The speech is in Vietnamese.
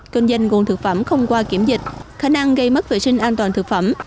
công doanh nguồn thực phẩm không qua kiểm dịch khả năng gây mất vệ sinh an toàn thực phẩm